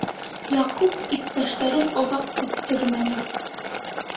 Яҡуп иптәштәрен оҙаҡ көттөрмәне.